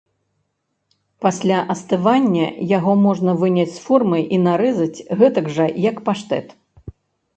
Пасля астывання яго можна выняць з формы і нарэзаць гэтак жа, як паштэт.